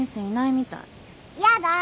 やだ！